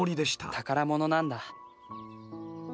「宝物なんだ」